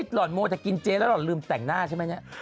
แอทที่หลอนโมจะกินเจ๊แล้วหลอนลืมแต่งหน้าใช่ไหม